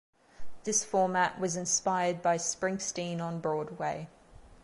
This format was inspired by "Springsteen on Broadway".